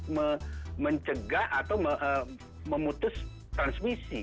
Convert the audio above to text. untuk mencegah atau memutus transmisi